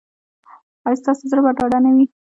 ایا ستاسو زړه به ډاډه نه وي؟